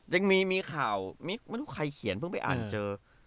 ยังมีข่าวไม่รู้ใครเขียนเพิ่งไปอ่านเจอ